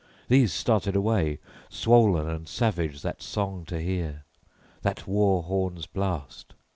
These started away, swollen and savage that song to hear, that war horn's blast.